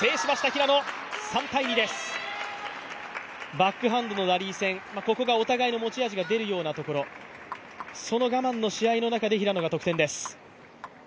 バックハンドのラリー戦、ここがお互いの持ち味が出るようなところ、その我慢のし合いの中で平野が得点です。